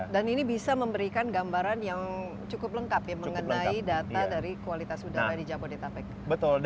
dan ini bisa memberikan gambaran yang cukup lengkap ya mengenai data dari kualitas udara di jabodetabek